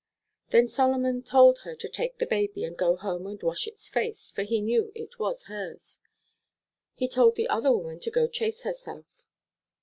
Then Solomon told her to take the baby and go home and wash its face, for he knew it was hers. He told the other woman to go chase herself.